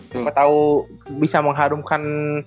dapat tau bisa mengharumkan